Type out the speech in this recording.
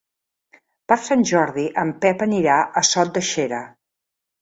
Per Sant Jordi en Pep anirà a Sot de Xera.